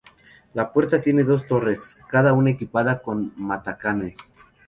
La puerta tiene dos torres cada una equipada con matacanes.